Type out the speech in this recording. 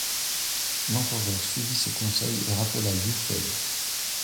L'empereur suivit ces conseils et rappela Yue Fei.